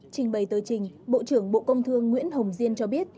trình bày tờ trình bộ trưởng bộ công thương nguyễn hồng diên cho biết